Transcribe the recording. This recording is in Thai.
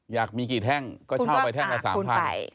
อยากมีกี่แท่งก็เช่าไปแท่งละ๓๐๐บาท